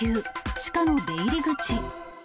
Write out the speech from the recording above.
地下の出入り口。